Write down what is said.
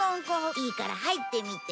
いいから入ってみて。